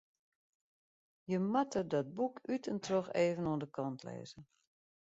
Je moatte dat boek út en troch even oan de kant lizze.